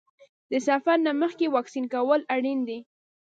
د سفر نه مخکې واکسین کول اړین دي.